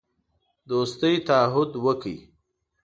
دوستی تعهد وکړ.